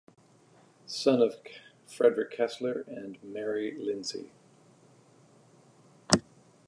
Son of Frederick Kesler and Mary Lindsay.